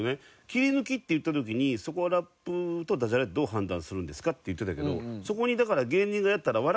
切り抜きって言った時にそこはラップとダジャレってどう判断するんですかって言ってたけどそこにだから芸人がやったら笑